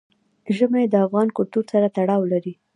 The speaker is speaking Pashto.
ژمی د افغان کلتور سره تړاو لري.